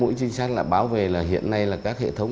mỗi trinh sát lại báo về là hiện nay là các hệ thống